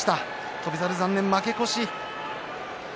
翔猿残念、負け越し。